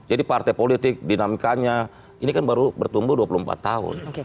jadi partai politik dinamikanya ini kan baru bertumbuh dua puluh empat tahun